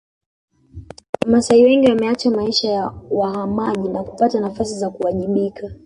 Wamasai wengi wameacha maisha ya wahamaji na kupata nafasi za kuwajibika